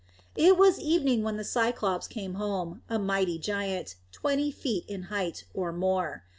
It was evening when the Cyclops came home, a mighty giant, twenty feet in height, or more.